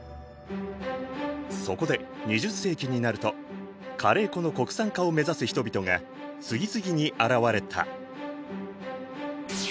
そこで２０世紀になるとカレー粉の国産化を目指す人々が次々に現れた。